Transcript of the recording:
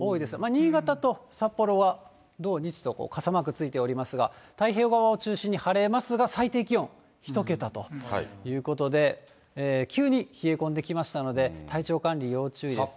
新潟と札幌は、土日と傘マークついておりますが、太平洋側を中心に晴れますが、最低気温、１桁ということで、急に冷え込んできましたので、体調管理、要注意ですね。